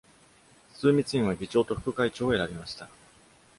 枢密院は、議長と副会長を選びました。